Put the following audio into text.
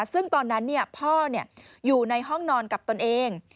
ซึ่งตอนนั้นพ่ออยู่ในห้องนอนกับตนเอง